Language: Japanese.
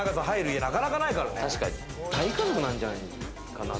大家族なんじゃないかなって。